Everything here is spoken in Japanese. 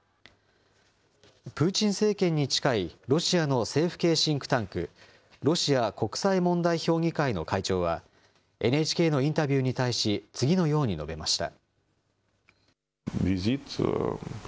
プーチン政権に近いロシアの政府系シンクタンク、ロシア国際問題評議会の会長は、ＮＨＫのインタビューに対し、次のように述べました。